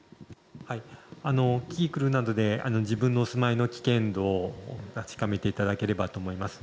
キキクルなどで自分のお住まいの危険度を確かめていただければと思います。